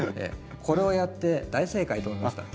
これをやって大正解と思いました。